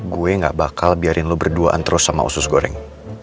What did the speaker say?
gue gak bakal biarin lo berduaan terus sama usus goreng